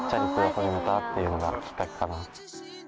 っていうのがきっかけかな。